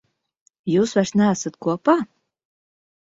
Jūs vairs neesat kopā?